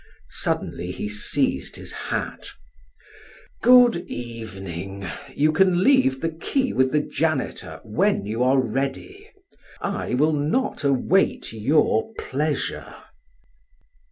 Suddenly he seized his hat. "Good evening. You can leave the key with the janitor when you are ready. I will not await your pleasure."